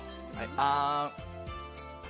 あん。